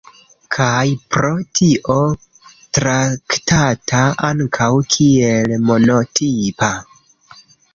Kaj pro tio traktata ankaŭ kiel monotipa.